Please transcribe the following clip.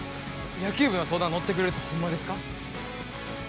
野球部の相談乗ってくれるってホンマですか？